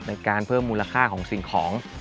ในการเพิ่มมูลค่าของสิ่งของ